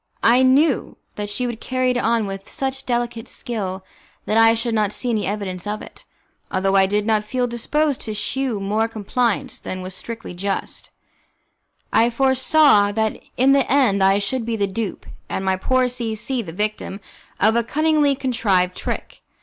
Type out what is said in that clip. I knew that she would carry it on with such delicate skill that I should not see any evidence of it. Although I did not feel disposed to shew more compliance than was strictly just, I foresaw that in the end I should be the dupe, and my poor C C the victim, of a cunningly contrived trick.